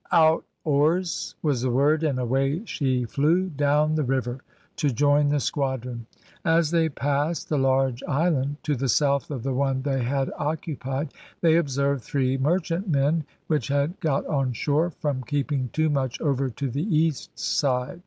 "Out, oars!" was the word, and away she flew down the river to join the squadron. As they passed the large island, to the south of the one they had occupied, they observed three merchant men which had got on shore, from keeping too much over to the east side.